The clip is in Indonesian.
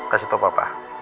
kasih tau papa